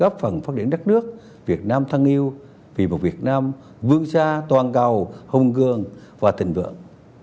chúc các gia đình phát triển đất nước việt nam thân yêu vì một việt nam vương xa toàn cầu hồng gương và tình vượng